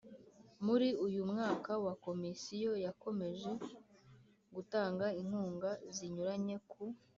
Muri uyu mwaka wa Komisiyo yakomeje gutanga inkunga zinyuranye ku